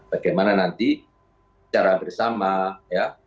bagaimana nanti cara bersama